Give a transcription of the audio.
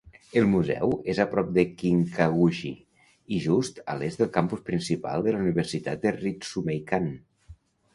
El museu és a prop de Kinkaku-ji i just a l'est del campus principal de la Universitat de Ritsumeikan.